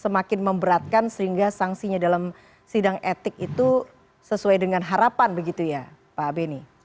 semakin memberatkan sehingga sanksinya dalam sidang etik itu sesuai dengan harapan begitu ya pak beni